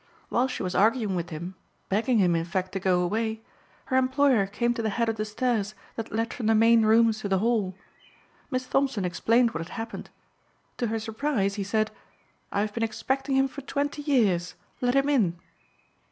While she was arguing with him, begging him, in fact, to go away, her employer came to the head of the stairs that lead from the main rooms to the hall. Miss Thompson explained what had happened. To her surprise he said, 'I have been expecting him for twenty years. Let him in.